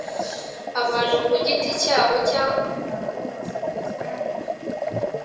abantu ku giti cyabo cyangwa imiryango bashyigikira ibyo